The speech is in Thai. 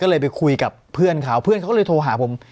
ก็เลยไปคุยกับเพื่อนเขาเพื่อนเขาก็เลยโทรหาผม